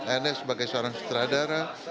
ernest sebagai seorang seteradara